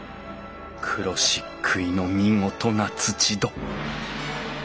黒漆喰の見事な土扉